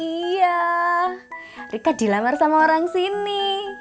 iya dekat dilamar sama orang sini